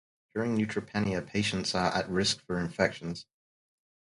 During neutropenia, patients are at risk for infections.